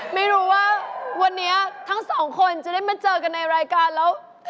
ไม่รู้ว่าวันนี้ทั้งสองคนจะได้มาเจอกันในรายการแล้ว